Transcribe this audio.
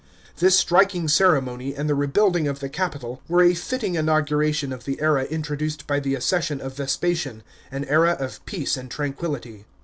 This striking ceremony and the rebuilding of the Capitol, were a fitting inauguration of the era introduced by the accession of Vespasian, an era of peace and tranquility.